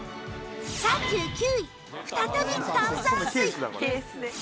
３９位再び炭酸水